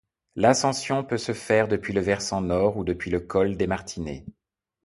L'ascension peut se faire depuis le versant nord ou depuis le col des Martinets.